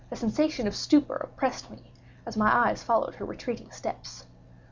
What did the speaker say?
A sensation of stupor oppressed me, as my eyes followed her retreating steps.